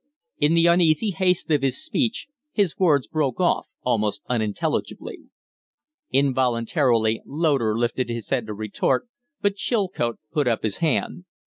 In the uneasy haste of his speech his words broke off almost unintelligibly. Involuntarily Loder lifted his head to retort, but Chilcote put up his hand.